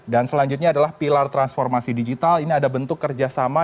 dan selanjutnya adalah pilar transformasi digital ini ada bentuk kerjasama